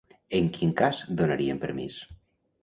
En quin cas donarien permís?